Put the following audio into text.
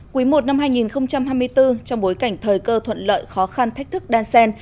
quý i năm hai nghìn hai mươi bốn trong bối cảnh thời cơ thuận lợi khó khăn thách thức đan sen